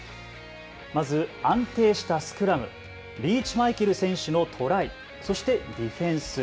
まず安定したスクラム、リーチマイケル選手のトライ、そしてディフェンス。